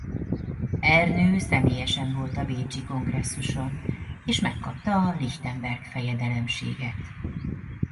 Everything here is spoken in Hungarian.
Ernő személyesen volt a Bécsi kongresszuson és megkapta a Lichtenberg fejedelemséget.